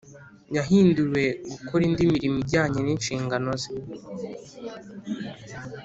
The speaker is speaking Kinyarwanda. Yahinduriwe gukora indi mirimo ijyanye n’ inshingano ze